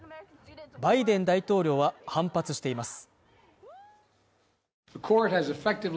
バイデン大統領は反発しています。